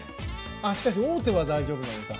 あしかし王手は大丈夫なのか。